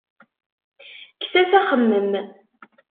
Kkes-as axemmem.